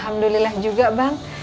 alhamdulillah juga bang